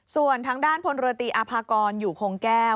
ส่วนทางด้านพนฤติอภากรอยู่โครงแก้ว